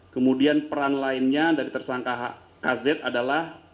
kemudian peran lainnya dari tersangka kz adalah